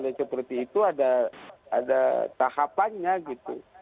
ya seperti itu ada tahapannya gitu